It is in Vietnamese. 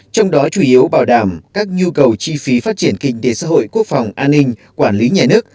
trong đó chủ yếu bảo đảm các nhu cầu chi phí phát triển kinh tế xã hội quốc phòng an ninh quản lý nhà nước